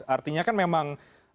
artinya kan memang